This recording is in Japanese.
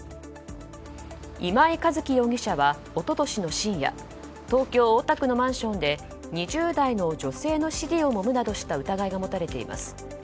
今井一希容疑者は一昨年の深夜東京・大田区のマンションで２０代の女性の尻をもむなどした疑いが持たれています。